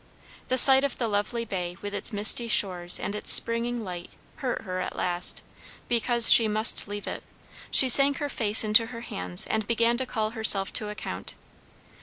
The sight of the lovely bay with its misty shores and its springing light hurt her at last, because she must leave it; she sank her face in her hands and began to call herself to account.